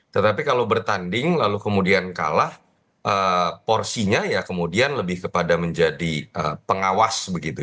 tetapi kalau bertanding lalu kemudian kalah porsinya ya kemudian lebih kepada menjadi pengawas begitu